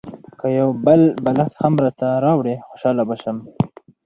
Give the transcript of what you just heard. که یو بل بالښت هم راته راوړې خوشاله به شم.